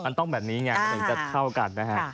มันต้องแบบนี้ไงมันถึงจะเท่ากันนะฮะ